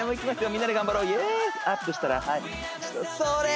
みんなで頑張ろうイエースアップしたらそれ！